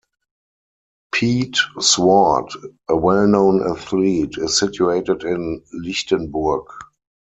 Peet Swart, a well known athlete, is situated in Lichtenburg.